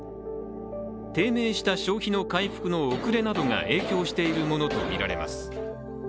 低迷した消費の回復の遅れなどが影響しているものとみられます。